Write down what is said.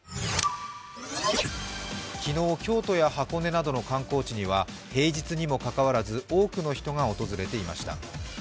昨日、京都や箱根などの観光地には平日にもかかわらず多くの人が訪れていました。